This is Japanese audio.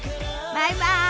バイバイ！